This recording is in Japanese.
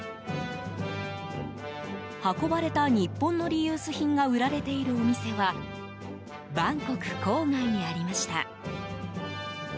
運ばれた日本のリユース品が売られているお店はバンコク郊外にありました。